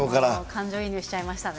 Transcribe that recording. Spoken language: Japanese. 感情移入しちゃいましたね。